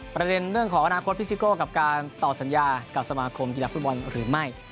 ประเด็นเรื่องของอนาคตพี่ซิโก้กับการต่อสัญญากับสมาคมกีฬาฟุตบอลหรือไม่